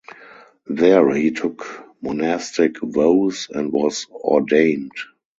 There he took monastic vows and was ordained.